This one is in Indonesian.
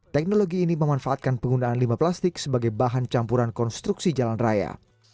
teknologi ini memanfaatkan penggunaan limbah plastik sebagai bahan campuran konstruksi jalan raya